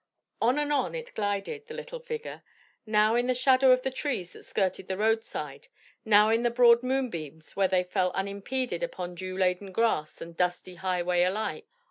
On and on it glided, the little figure, now in the shadow of the trees that skirted the road side, now out in the broad moonbeams where they fell unimpeded upon dew laden grass and dusty highway alike.